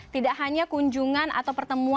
tidak hanya kunjungan atau pertemuan